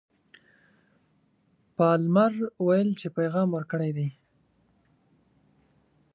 پالمر ویل چې پیغام ورکړی دی.